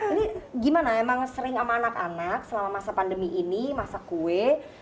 ini gimana emang sering sama anak anak selama masa pandemi ini masak kue